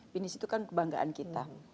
finish itu kan kebanggaan kita